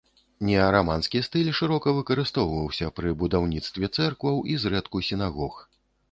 Неараманскі стыль шырока выкарыстоўваўся пры будаўніцтве цэркваў, і, зрэдку, сінагог.